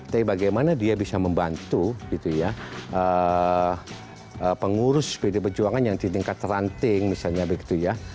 tapi bagaimana dia bisa membantu gitu ya pengurus pd perjuangan yang di tingkat teranting misalnya begitu ya